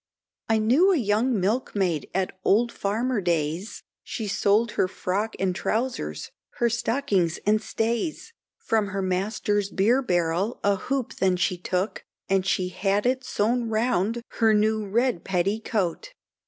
I knew a young milkmaid at old Farmer Days, She sold her frock and trousers, her stockings and stays, From her master's beer barrel, a hoop then she took, And she had it sown round her new red petticoat.